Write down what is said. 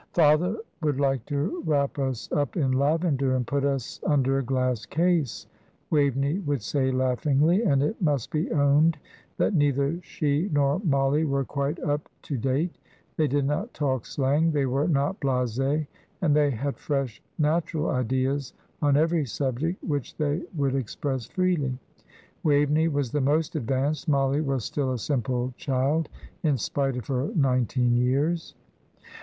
"Father would like to wrap us up in lavender, and put us under a glass case," Waveney would say, laughingly, and it must be owned that neither she nor Mollie were quite up to date. They did not talk slang; they were not blasé; and they had fresh, natural ideas on every subject, which they would express freely. Waveney was the most advanced; Mollie was still a simple child, in spite of her nineteen years.